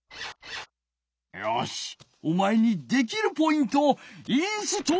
よしおまえにできるポイントをインストールじゃ！